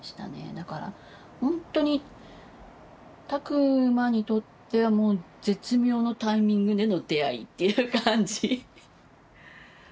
だからほんとに拓万にとっても絶妙のタイミングでの出会いっていう感じ。